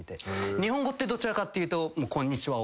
日本語ってどちらかっていうとこんにちは。